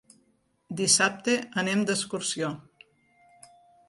Dissabte anem d'excursió.